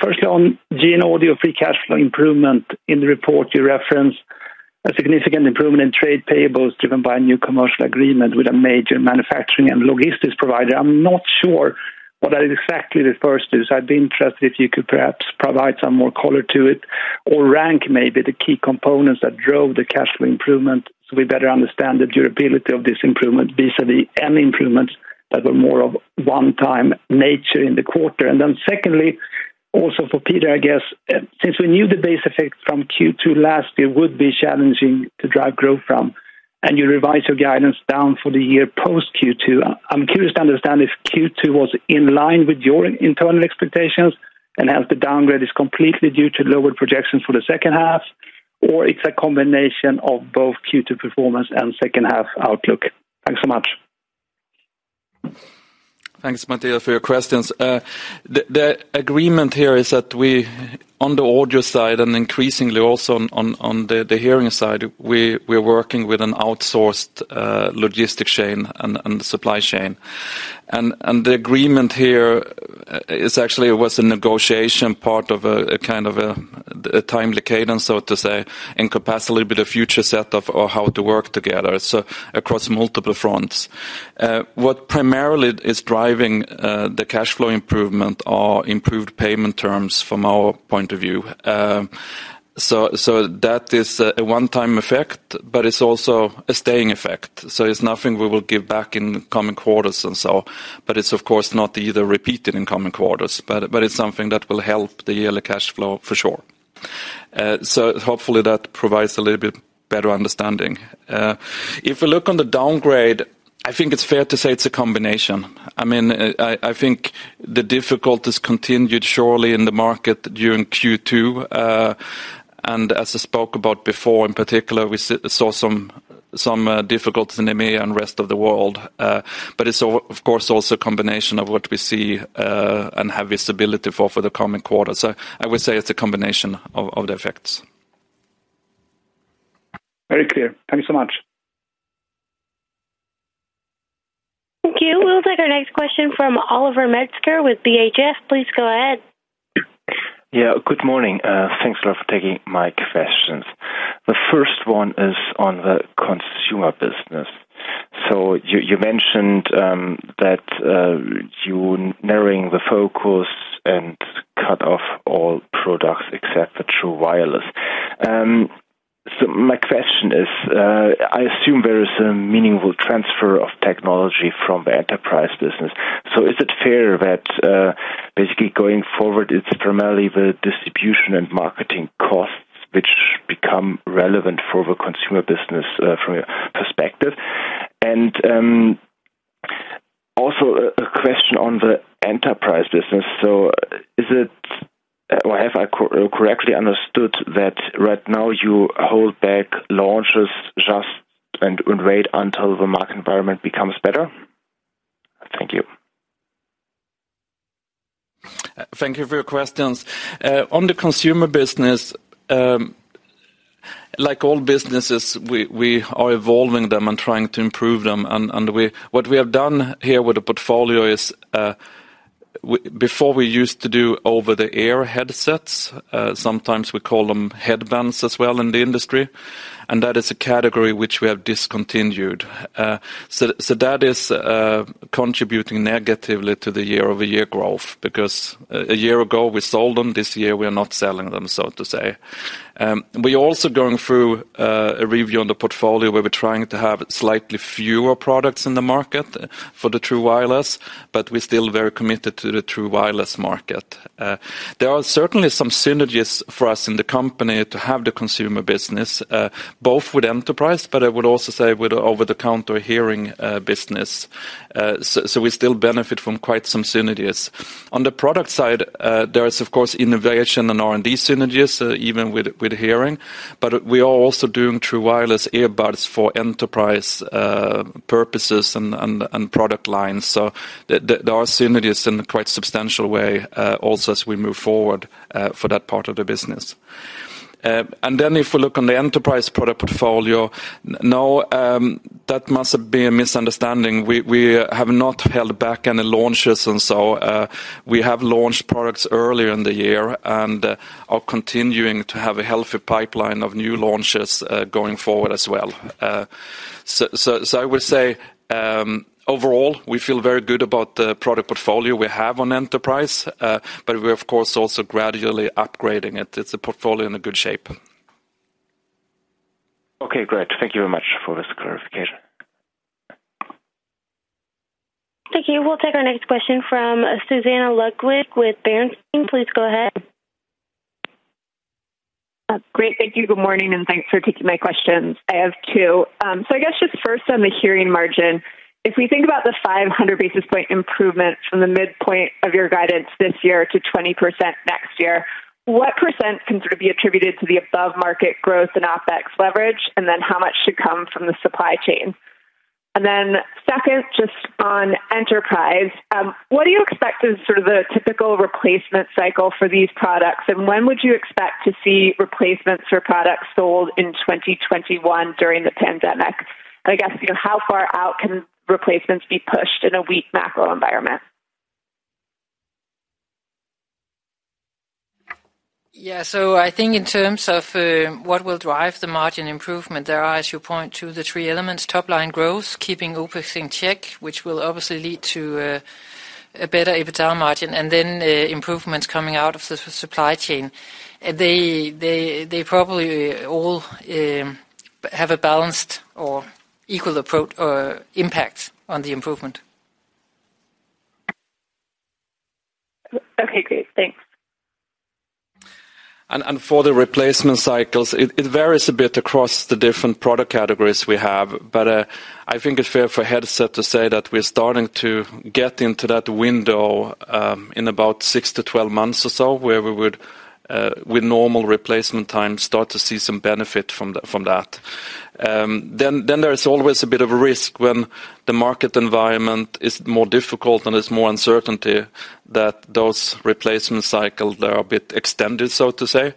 Firstly, on GN Audio free cash flow improvement. In the report, you referenced a significant improvement in trade payables driven by a new commercial agreement with a major manufacturing and logistics provider. I'm not sure what that exactly refers to, so I'd be interested if you could perhaps provide some more color to it or rank maybe the key components that drove the cash flow improvement, so we better understand the durability of this improvement, vis-a-vis any improvements that were more of one-time nature in the quarter. Then secondly, also for Peter, I guess, since we knew the base effect from Q2 last year would be challenging to drive growth from, and you revised your guidance down for the year post Q2, I'm curious to understand if Q2 was in line with your internal expectations, and as the downgrade is completely due to lower projections for the second half, or it's a combination of both Q2 performance and second half outlook? Thanks so much. Thanks, Mattias, for your questions. The agreement here is that we, on the audio side and increasingly also on the hearing side, we're working with an outsourced logistic chain and supply chain. The agreement here is actually was a negotiation part of a kind of a timely cadence, so to say, in capacity with the future set of, or how to work together, across multiple fronts. What primarily is driving the cash flow improvement are improved payment terms from our point of view. That is a one-time effect, but it's also a staying effect, so it's nothing we will give back in coming quarters and so. It's of course not either repeated in coming quarters, but it's something that will help the yearly cash flow for sure. Hopefully that provides a little bit better understanding. If we look on the downgrade, I think it's fair to say it's a combination. I mean, I think the difficulties continued surely in the market during Q2. As I spoke about before, in particular, we saw some, some difficulties in the MEA and rest of the world. It's of course, also a combination of what we see and have visibility for, for the coming quarter. I would say it's a combination of, of the effects. Very clear. Thank you so much. Thank you. We'll take our next question from Oliver Metzger with BHF. Please go ahead. Yeah, good morning. Thanks a lot for taking my questions. The first one is on the consumer business. You, you mentioned that you narrowing the focus and cut off all products except the True Wireless. My question is, I assume there is a meaningful transfer of technology from the enterprise business. Is it fair that, basically going forward, it's primarily the distribution and marketing costs which become relevant for the consumer business, from your perspective? Also a question on the enterprise business. Is it, or have I correctly understood that right now you hold back launches just, and, and wait until the market environment becomes better? Thank you. Thank you for your questions. On the consumer business, like all businesses, we, we are evolving them and trying to improve them, and what we have done here with the portfolio is, we, before we used to do over-the-ear headsets, sometimes we call them headbands as well in the industry, and that is a category which we have discontinued. That is contributing negatively to the year-over-year growth, because a, a year ago, we sold them, this year, we are not selling them, so to say. We're also going through a review on the portfolio, where we're trying to have slightly fewer products in the market for the True Wireless, but we're still very committed to the True Wireless market. There are certainly some synergies for us in the company to have the consumer business, both with enterprise, but I would also say with over-the-counter hearing business. We still benefit from quite some synergies. On the product side, there is, of course, innovation and R&D synergies, even with hearing, but we are also doing True Wireless earbuds for enterprise purposes and product lines. There are synergies in a quite substantial way, also as we move forward, for that part of the business. If we look on the enterprise product portfolio, no, that must have been a misunderstanding. We have not held back any launches and so, we have launched products earlier in the year and are continuing to have a healthy pipeline of new launches going forward as well. I would say, overall, we feel very good about the product portfolio we have on enterprise, but we're of course, also gradually upgrading it. It's a portfolio in a good shape. Okay, great. Thank you very much for this clarification. Thank you. We'll take our next question from Susannah Ludwig with Bernstein. Please go ahead. Great, thank you. Good morning, and thanks for taking my questions. I have two. So I guess just first on the hearing margin, if we think about the 500 basis point improvement from the midpoint of your guidance this year to 20% next year, what percent can sort of be attributed to the above-market growth and OpEx leverage, and then how much should come from the supply chain? Then second, just on enterprise, what do you expect is sort of the typical replacement cycle for these products, and when would you expect to see replacements for products sold in 2021 during the pandemic? And I guess, you know, how far out can replacements be pushed in a weak macro environment? I think in terms of what will drive the margin improvement, there are, as you point to the three elements, top line growth, keeping OpEx in check, which will obviously lead to a better EBITDA margin, and then improvements coming out of the supply chain. They, they, they probably all have a balanced or equal approach impact on the improvement. Okay, great. Thanks. For the replacement cycles, it, it varies a bit across the different product categories we have, but I think it's fair for headset to say that we're starting to get into that window, in about 6-12 months or so, where we would, with normal replacement time, start to see some benefit from that. Then there is always a bit of a risk when the market environment is more difficult and there's more uncertainty that those replacement cycle, they are a bit extended, so to say.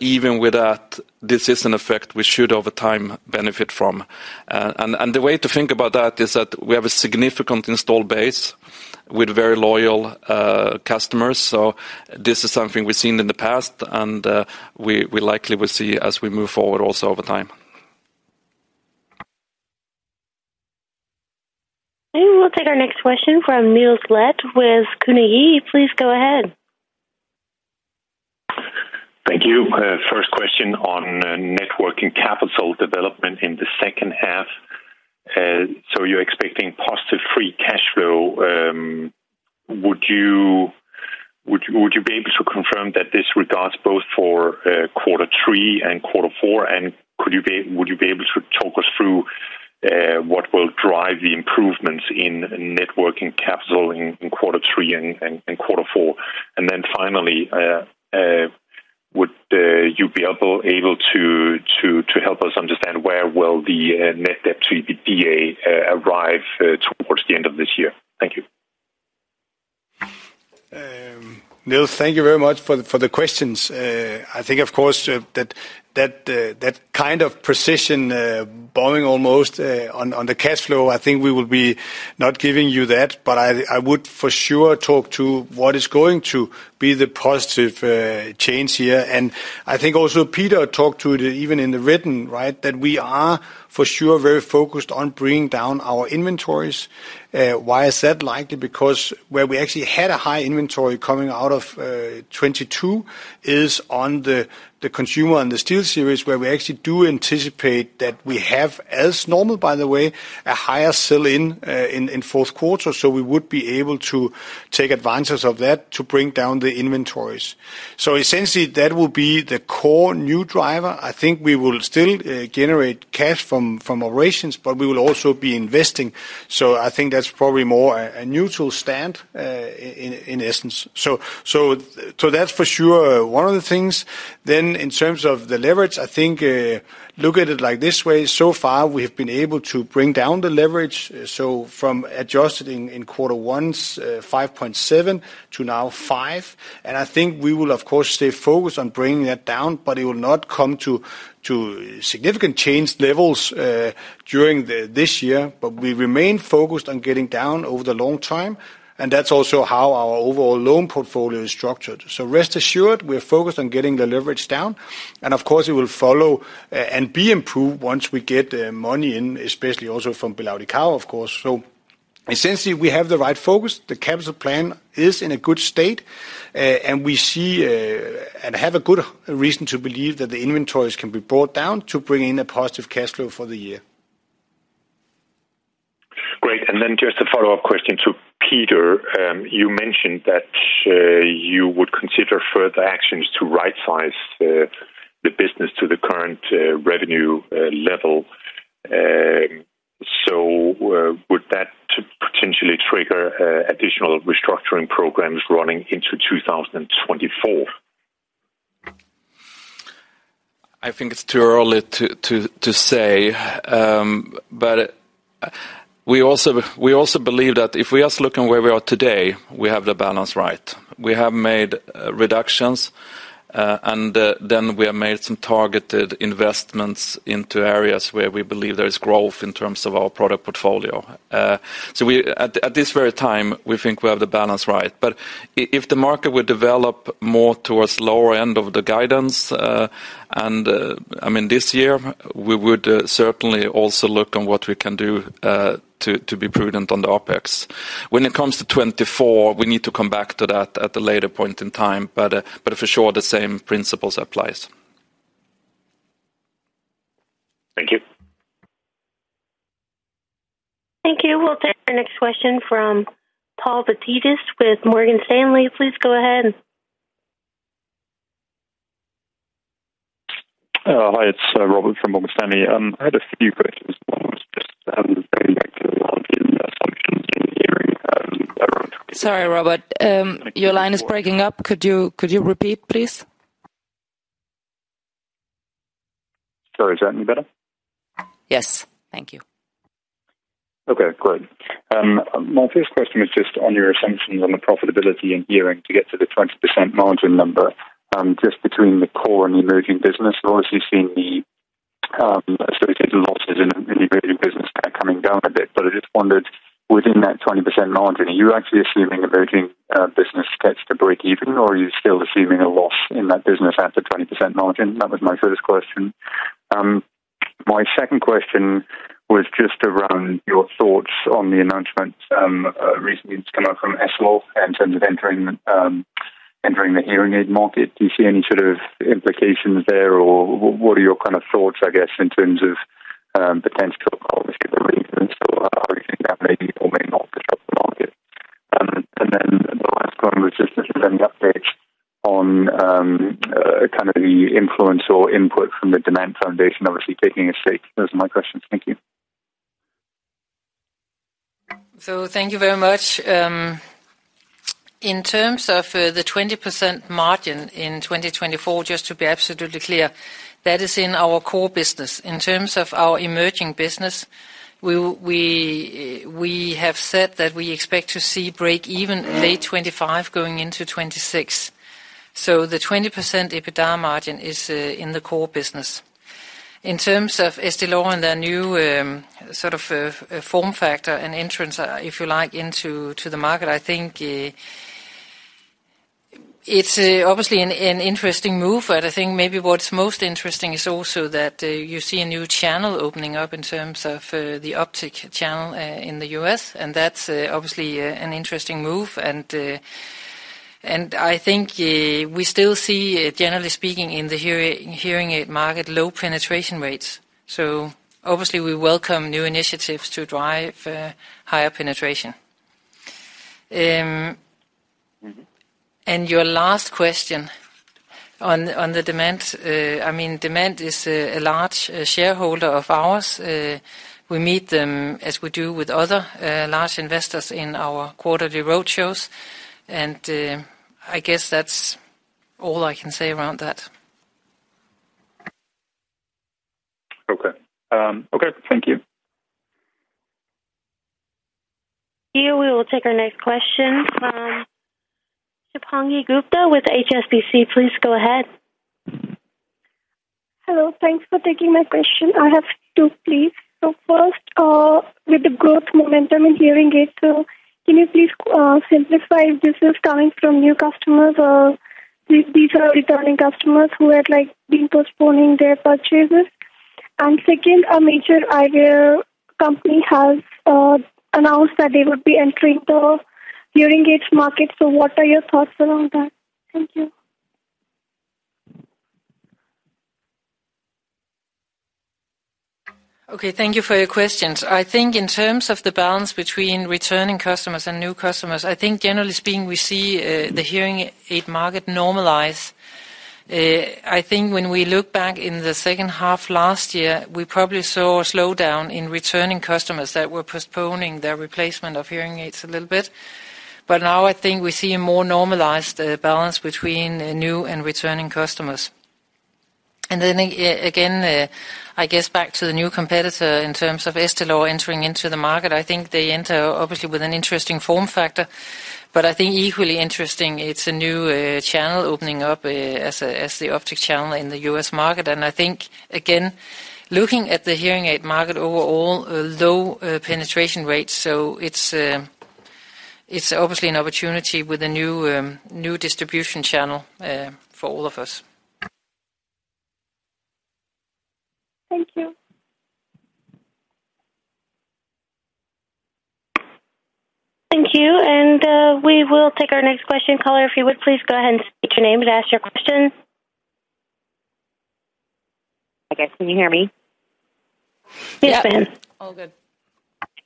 Even with that, this is an effect we should, over time, benefit from. And the way to think about that is that we have a significant installed base with very loyal customers. This is something we've seen in the past and, we likely will see as we move forward also over time. We'll take our next question from Niels Leth with Carnegie. Please go ahead. question on net working capital development in the second half. So, you're expecting positive free cash flow. Would you be able to confirm that this regards both for quarter three and quarter four? Could you be, would you be able to talk us through what will drive the improvements in net working capital in quarter three and quarter four? Then finally, would you be able to help us understand where will the net debt to EBITDA arrive towards the end of this year? Thank you. Niels Leth, thank you very much for the questions. I think, of course, that kind of precision, bombing almost on the cash flow, I think we will be not giving you that, but I would for sure talk to what is going to be the positive change here. I think also Peter talked to it, even in the written, right? That we are for sure, very focused on bringing down our inventories. Why is that likely? Because where we actually had a high inventory coming out of 2022 is on the, the consumer and the SteelSeries, where we actually do anticipate that we have, as normal, by the way, a higher sell-in in fourth quarter, so we would be able to take advantage of that to bring down the inventories. Essentially, that will be the core new driver. I think we will still generate cash from, from operations, but we will also be investing. I think that's probably more a neutral stand in essence. That's for sure, one of the things. In terms of the leverage, I think, look at it like this way, so far we have been able to bring down the leverage, so from adjusting in Q1's 5.7 to now 5, I think we will, of course, stay focused on bringing that down, it will not come to significant change levels during this year. We remain focused on getting down over the long time, that's also how our overall loan portfolio is structured. Rest assured, we are focused on getting the leverage down, of course, it will follow and be improved once we get the money in, especially also from BelAudição, of course. Essentially, we have the right focus. The capital plan is in a good state, and we see, and have a good reason to believe that the inventories can be brought down to bring in a positive cash flow for the year. Great. Then just a follow-up question to Peter. You mentioned that you would consider further actions to rightsize the business to the current revenue level. Would that potentially trigger additional restructuring programs running into 2024? I think it's too early to say, but we also, we also believe that if we just look on where we are today, we have the balance right. We have made reductions, and then we have made some targeted investments into areas where we believe there is growth in terms of our product portfolio. So we, at, at this very time, we think we have the balance right. If the market would develop more towards lower end of the guidance, and, I mean, this year, we would certainly also look on what we can do to be prudent on the OpEx. When it comes to 2024, we need to come back to that at a later point in time, for sure, the same principles applies. Thank you. Thank you. We'll take our next question from Robert Davies with Morgan Stanley. Please go ahead. Hi, it's Robert from Morgan Stanley. I had a few questions. One was just going back to the login assumptions in the hearing around- Sorry, Robert, your line is breaking up. Could you, could you repeat, please? Sorry, is that any better? Yes. Thank you. Okay, great. My first question was just on your assumptions on the profitability in hearing to get to the 20% margin number, just between the core and the emerging business. I've obviously seen the associated losses in an integrated business coming down a bit, but I just wondered, within that 20% margin, are you actually assuming emerging business gets to breakeven, or are you still assuming a loss in that business at the 20% margin? That was my first question. My second question was just around your thoughts on the announcement recently it's come out from Essilor, in terms of entering the entering the hearing aid market. Do you see any sort of implications there, or what are your kind of thoughts, I guess, in terms of, potential, obviously, the reason, so how you think that may or may not disrupt the market? Then the last one was just, just an update on, kind of the influence or input from the William Demant Foundation, obviously, taking a stake. Those are my questions. Thank you. Thank you very much. In terms of the 20% margin in 2024, just to be absolutely clear, that is in our core business. In terms of our emerging business, we have said that we expect to see break even late 2025 going into 2026. The 20% EBITDA margin is in the core business. In terms of Essilor and their new sort of form factor and entrance, if you like, into, to the market, I think it's obviously an interesting move, but I think maybe what's most interesting is also that you see a new channel opening up in terms of the optic channel in the US, and that's obviously an interesting move. I think we still see, generally speaking, in the hearing, hearing aid market, low penetration rates. Obviously, we welcome new initiatives to drive higher penetration. Your last question on, on the William Demant Foundation, I mean, William Demant Foundation is a large shareholder of ours. We meet them, as we do with other large investors in our quarterly road shows, and I guess that's all I can say around that. Okay. Okay. Thank you. We will take our next question from Shubhangi Gupta with HSBC. Please go ahead. Hello, thanks for taking my question. I have two, please. First, with the growth momentum in hearing aid, can you please simplify if this is coming from new customers, or these are returning customers who had, like, been postponing their purchases? Second, a major eyewear company has announced that they would be entering the hearing aid market, what are your thoughts around that? Thank you. Okay, thank you for your questions. I think in terms of the balance between returning customers and new customers, I think generally speaking, we see the hearing aid market normalize. I think when we look back in the second half last year, we probably saw a slowdown in returning customers that were postponing their replacement of hearing aids a little bit. Now I think we see a more normalized balance between new and returning customers. Then again, I guess back to the new competitor in terms of EssilorLuxottica entering into the market, I think they enter obviously, with an interesting form factor, but I think equally interesting, it's a new channel opening up as the optic channel in the US market. I think, again, looking at the hearing aid market overall, a low penetration rate, so it's obviously an opportunity with a new distribution channel for all of us. Thank you. Thank you. We will take our next question. Caller, if you would please go ahead and state your name and ask your question. Hi guys, can you hear me? Yep. All good.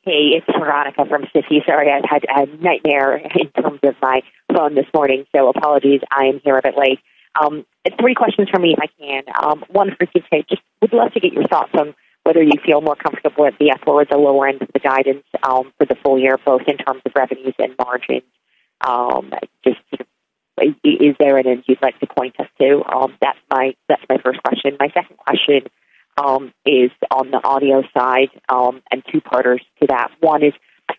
Hey, it's Veronica from Citi. Sorry, I've had a nightmare in terms of my phone this morning, so apologies I am here a bit late. Three questions from me, if I can. One for you, Gitte, just would love to get your thoughts on whether you feel more comfortable at the upper or the lower end of the guidance for the full year, both in terms of revenues and margins. Just, is there anything you'd like to point us to? That's my, that's my first question. My second question is on the audio side, and two parters to that. One is,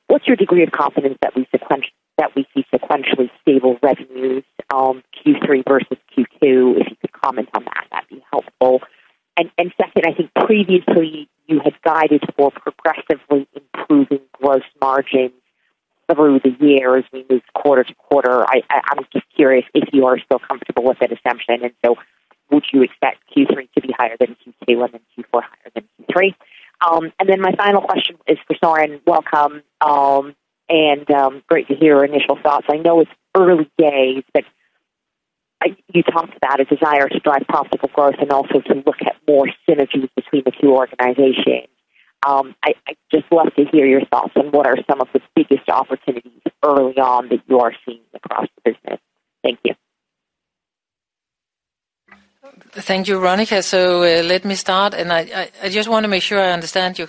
what's your degree of confidence that we sequentially, that we see sequentially stable revenues, Q3 versus Q2? If you could comment on that, that'd be helpful. Second, I think previously you had guided for progressively improving gross margins over the year as we move quarter-to-quarter. I was just curious if you are still comfortable with that assumption, would you expect Q3 to be higher than Q2 and then Q4 higher than Q3? My final question is for Søren. Welcome, great to hear your initial thoughts. I know it's early days. You talked about a desire to drive profitable growth and also to look at more synergies between the two organizations. I'd just love to hear your thoughts on what are some of the biggest opportunities early on that you are seeing across the business. Thank you. Thank you, Veronica. Let me start, and I just wanna make sure I understand your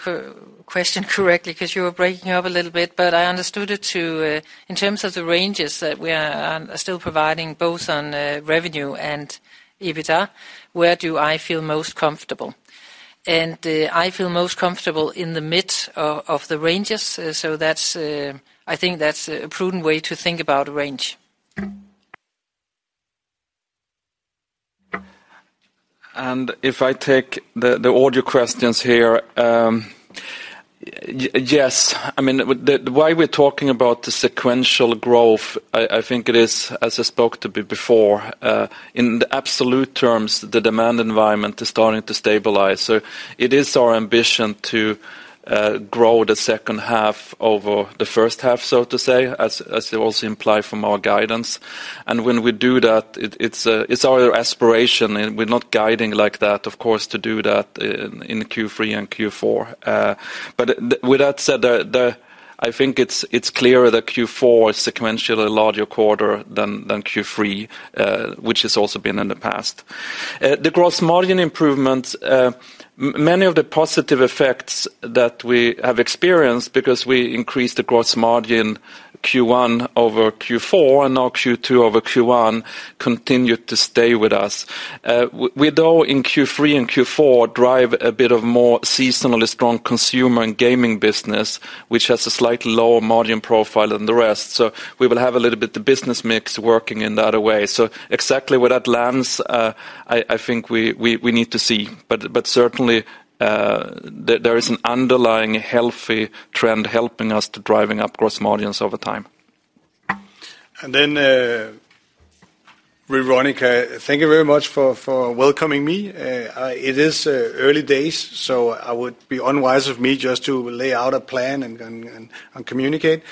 question correctly, 'cause you were breaking up a little bit, but I understood it to in terms of the ranges that we are still providing, both on revenue and EBITDA, where do I feel most comfortable? I feel most comfortable in the mid of the ranges, so that's, I think that's a prudent way to think about a range. If I take the, the audio questions here, yes, I mean, the, the why we're talking about the sequential growth, I think it is, as I spoke to before, in the absolute terms, the demand environment is starting to stabilize. It is our ambition to grow the second half over the first half, so to say, as, as it also imply from our guidance. When we do that, it, it's our aspiration, and we're not guiding like that, of course, to do that in, in Q3 and Q4. With that said, I think it's clear that Q4 is sequentially larger quarter than, than Q3, which has also been in the past. The gross margin improvements, many of the positive effects that we have experienced, because we increased the gross margin Q1 over Q4, and now Q2 over Q1, continued to stay with us. We though in Q3 and Q4, drive a bit of more seasonally strong consumer and gaming business, which has a slightly lower margin profile than the rest. We will have a little bit the business mix working in that way. Exactly where that lands, I think we, we, we need to see. But, but certainly, there, there is an underlying healthy trend helping us to driving up gross margins over time. Veronica, thank you very much for, for welcoming me. It is early days, so I would be unwise of me just to lay out a plan and communicate.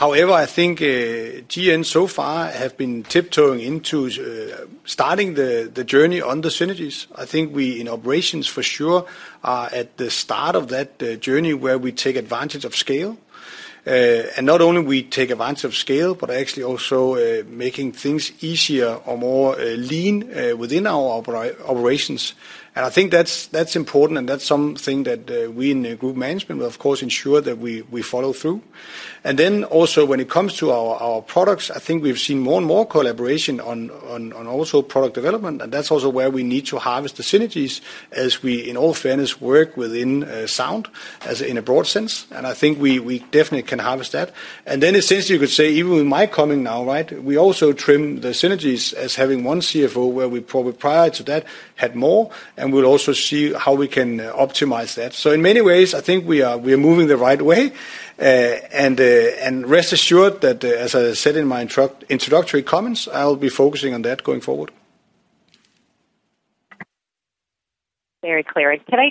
However, I think GN so far have been tiptoeing into starting the journey on the synergies. I think we, in operations for sure, are at the start of that journey where we take advantage of scale. Not only we take advantage of scale, but actually also making things easier or more lean within our operations. I think that's, that's important, and that's something that we in the group management will of course, ensure that we follow through. Also, when it comes to our products, I think we've seen more and more collaboration on also product development, and that's also where we need to harvest the synergies as we, in all fairness, work within sound, as in a broad sense, and I think we definitely can harvest that. Essentially, you could say, even with my coming now, right, we also trim the synergies as having one CFO, where we probably prior to that, had more, and we'll also see how we can optimize that. In many ways, I think we are moving the right way, and rest assured that, as I said in my introductory comments, I'll be focusing on that going forward. Very clear. Can I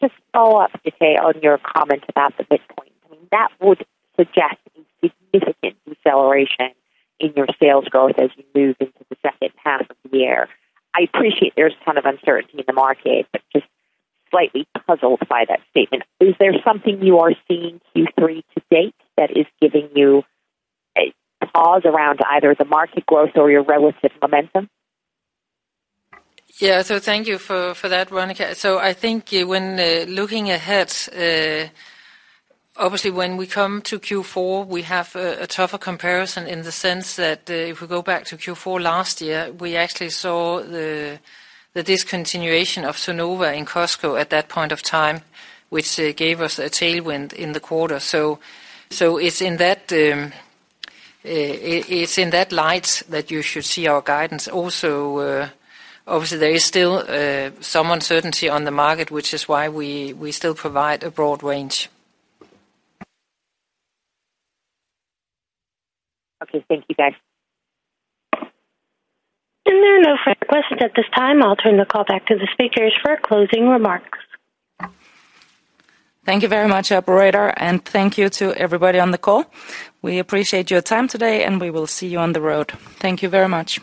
just follow up today on your comment about the midpoint? I mean, that would suggest a significant deceleration in your sales growth as you move into the second half of the year. I appreciate there's a ton of uncertainty in the market, just slightly puzzled by that statement. Is there something you are seeing Q3 to date that is giving you a pause around either the market growth or your relative momentum? Yeah, thank you for, for that, Veronica. I think when looking ahead, obviously when we come to Q4, we have a, a tougher comparison in the sense that, if we go back to Q4 last year, we actually saw the, the discontinuation of Sonova in Costco at that point of time, which gave us a tailwind in the quarter. So, it's in that light that you should see our guidance. Also, obviously, there is still some uncertainty on the market, which is why we, we still provide a broad range. Okay, thank you, guys. There are no further questions at this time. I'll turn the call back to the speakers for closing remarks. Thank you very much, operator, and thank you to everybody on the call. We appreciate your time today, and we will see you on the road. Thank you very much.